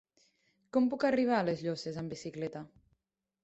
Com puc arribar a les Llosses amb bicicleta?